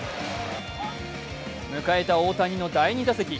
迎えた大谷の第２打席。